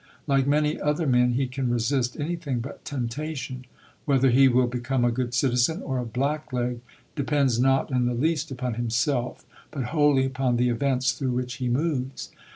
Like many other men, he can resist anything but temptation. Whether he will become a good citizen or a blackleg, depends not in the least upon himself, but wholly upon the events through which he moves.